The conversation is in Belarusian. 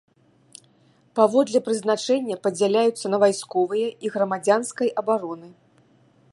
Паводле прызначэння падзяляюцца на вайсковыя і грамадзянскай абароны.